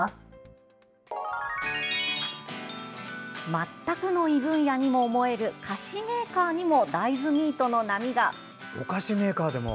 全くの異分野にも思える菓子メーカーにも大豆ミートの波が。